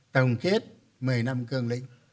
tổng kết một mươi năm cương lĩnh